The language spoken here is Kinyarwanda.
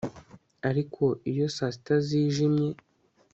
Ariko iyo saa sita zijimye